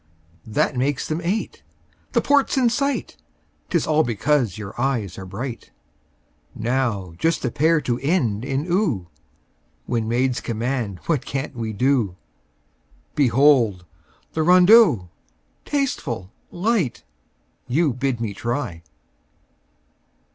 That makes them eight. The port's in sight 'Tis all because your eyes are bright! Now just a pair to end in "oo" When maids command, what can't we do? Behold! the rondeau, tasteful, light, You bid me try!